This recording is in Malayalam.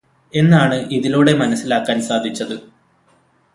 എന്നാണ് ഇതിലൂടെ മനസ്സിലാക്കാൻ സാധിച്ചത്.